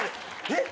えっ？